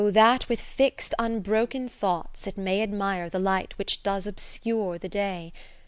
that with fixt unbroken thoughts it may Admire the h'ght which does obscure the day.